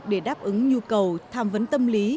để đáp ứng nhu cầu tham vấn tâm lý